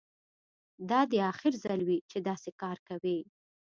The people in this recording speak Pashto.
دا دې اخر ځل وي چې داسې کار کوې